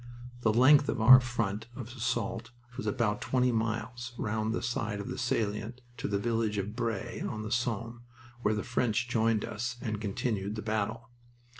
The length of our front of assault was about twenty miles round the side of the salient to the village of Bray, on the Somme, where the French joined us and continued the battle.